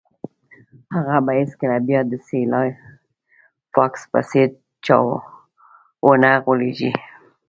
هغه به هیڅکله بیا د سلای فاکس په څیر چا ونه غولیږي